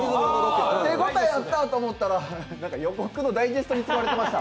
手応えあったと思ったら何か予告のダイジェストに使われてました。